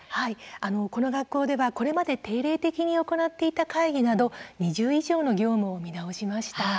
この学校ではこれまで定例的に行っていた会議など２０以上の業務を見直しました。